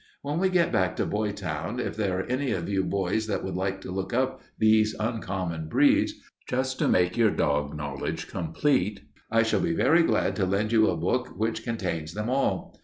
When we get back to Boytown, if there are any of you boys that would like to look up these uncommon breeds, just to make your dog knowledge complete, I shall be very glad to lend you a book which contains them all.